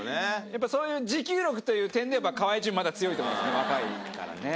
やっぱそういう持久力という点で河合チームまだ強いと思うんですよね